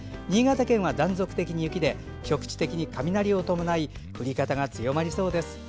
新潟県は断続的に雪で局地的に雷を伴い降り方が強まりそうです。